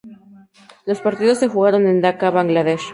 Los partidos se jugaron en Daca, Bangladesh.